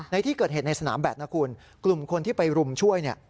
ในที่เกิดเหตุในสนามแบตนะคุณกลุ่มคนที่ไปรุมช่วยเนี่ย